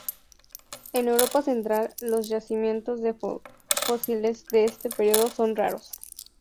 En Europa central los yacimientos de fósiles de este período son raros.